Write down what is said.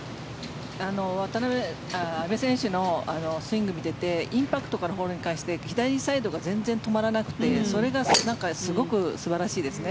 阿部選手のスイングを見ていてインパクトからのホールに対して左サイドが全然止まらなくてそれがすごく素晴らしいですね。